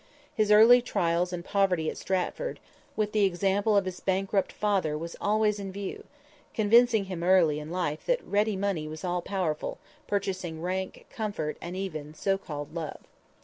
His early trials and poverty at Stratford, with the example of his bankrupt father was always in view, convincing him early in life that ready money was all powerful, purchasing rank, comfort and even so called love.